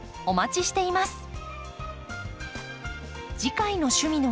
お待ちしています。